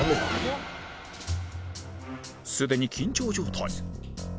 すでに緊張状態